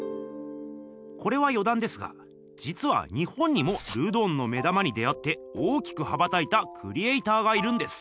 これはよだんですがじつは日本にもルドンの目玉に出会って大きく羽ばたいたクリエーターがいるんです。